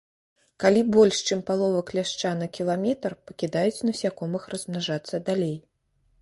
Калі больш, чым палова кляшча на кіламетр, пакідаюць насякомых размнажацца далей.